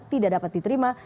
tidak dapat diterima